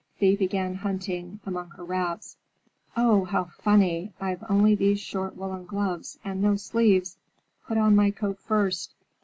Thea began hunting among her wraps. "Oh, how funny! I've only these short woolen gloves, and no sleeves. Put on my coat first.